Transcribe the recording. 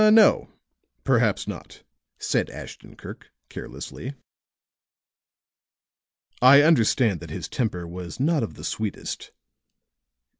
"Ah, no, perhaps not," said Ashton Kirk, carelessly. "I understand that his temper was not of the sweetest."